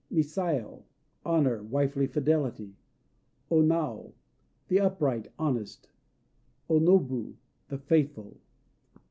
Misao "Honor," wifely fidelity. O Nao "The Upright," honest. O Nobu "The Faithful."